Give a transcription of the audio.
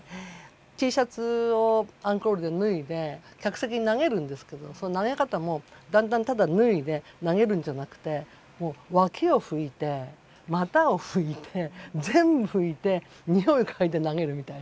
Ｔシャツをアンコールで脱いで客席に投げるんですけどその投げ方もだんだんただ脱いで投げるんじゃなくて脇を拭いて股を拭いて全部拭いてにおいを嗅いで投げるみたいな。